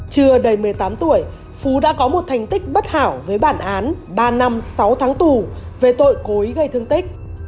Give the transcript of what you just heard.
trưa đầy một mươi tám tuổi phú đã có một thành tích bất hảo với bản án ba năm sáu tháng tù về tội cối gây thương tích